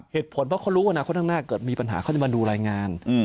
เหตุผลเพราะเขารู้อนาคตข้างหน้าเกิดมีปัญหาเขาจะมาดูรายงาน